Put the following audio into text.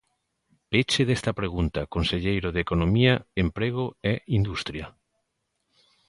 Peche desta pregunta, conselleiro de Economía, Emprego e Industria.